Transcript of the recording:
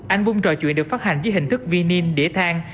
album trò chuyện được phát hành với hình thức vi nin đĩa thang